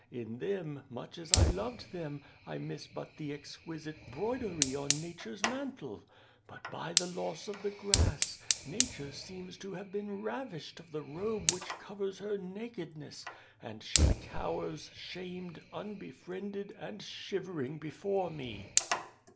In them, much as I loved them, I miss but the exquisite broidery on Nature's mantle. But by the loss of the grass, Nature seems to have been ravished of the robe which covers her nakedness, and she cowers, shamed, unbefriended, and shivering before me